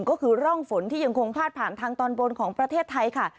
ก็คือร่องฝนที่ยังคงพาดผ่านทางตอนบนของประเทศไทยค่ะ